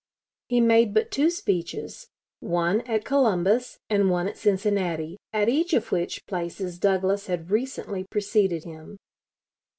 He made but two speeches, one at Columbus, and one at Cincinnati, at each of which places Douglas had recently preceded him.